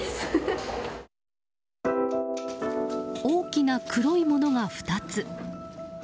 大きな黒いものが２つ。